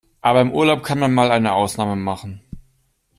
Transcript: Aber im Urlaub kann man mal eine Ausnahme machen.